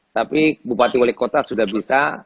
tapi bupati wali kota sudah bisa